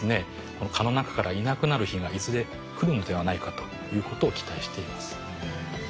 この蚊の中からいなくなる日がいずれ来るのではないかということを期待しています。